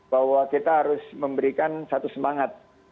bahwa kita harus memberikan satu semangat